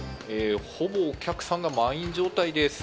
ほぼお客さんが満員状態です。